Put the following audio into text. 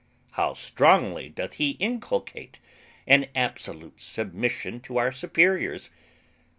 how strongly doth he inculcate an absolute submission to our superiors!